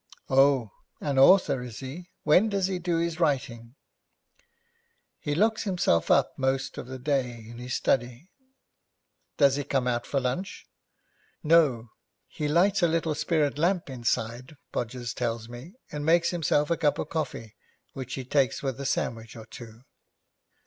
'Oh, an author, is he? When does he do his writing?' 'He locks himself up most of the day in his study.' 'Does he come out for lunch?' 'No; he lights a little spirit lamp inside, Podgers tells me, and makes himself a cup of coffee, which he takes with a sandwich or two.'